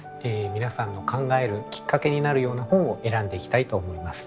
皆さんの考えるきっかけになるような本を選んでいきたいと思います。